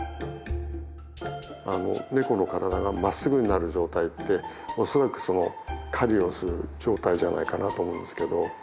ネコの体がまっすぐになる状態って恐らく狩りをする状態じゃないかなと思うんですけど。